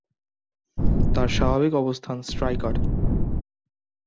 তার স্বাভাবিক অবস্থান স্ট্রাইকার।